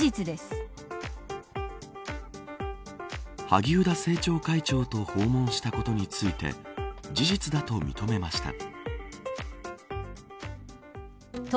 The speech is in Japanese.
萩生田政調会長と訪問したことについて事実だと認めました。